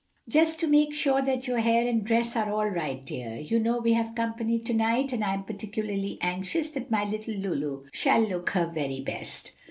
"Just to make sure that your hair and dress are all right, dear. You know we have company to night, and I am particularly anxious that my little Lulu shall look her very best."